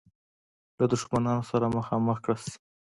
له دښمنانو سره مخامخ کړه شي.